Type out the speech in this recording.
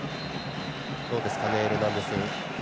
どうですかね、エルナンデス。